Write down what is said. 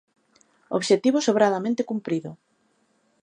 Obxectivo sobradamente cumprido.